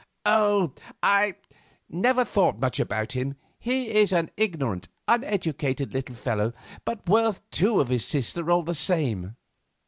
"Oh! I—never thought much about him. He is an ignorant, uneducated little fellow, but worth two of his sister, all the same.